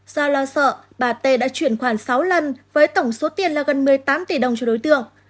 do lo sợ bà tê đã chuyển khoản sáu lần với tổng số tiền là gần một mươi tám tỷ đồng cho đối tượng